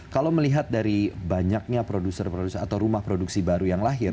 kalau melihat dari banyaknya produser produser atau rumah produksi baru yang lahir